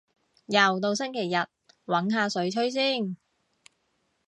又到星期日，搵下水吹先